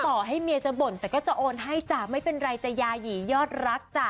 ต่อให้เมียจะบ่นแต่ก็จะโอนให้จ้ะไม่เป็นไรจะยาหยียอดรักจ้ะ